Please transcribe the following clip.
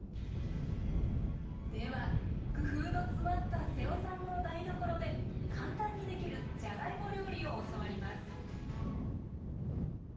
では工夫の詰まった瀬尾さんの台所で簡単にできるじゃがいも料理を教わります